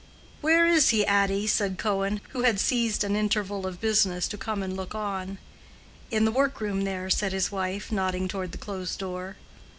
"Where is he, Addy?" said Cohen, who had seized an interval of business to come and look on. "In the workroom there," said his wife, nodding toward the closed door.